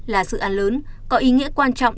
là dự án lớn có ý nghĩa quan trọng